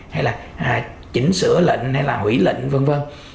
hay là chỉnh sửa lệnh hay là quỹ lệnh v v